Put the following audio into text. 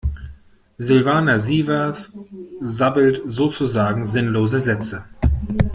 Silvana Sievers sabbelt sozusagen sinnlose Sätze.